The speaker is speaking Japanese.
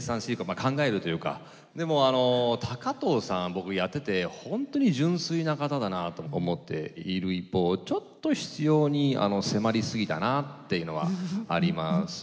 僕やってて本当に純粋な方だなと思っている一方ちょっと執ように迫り過ぎたなっていうのはありますね。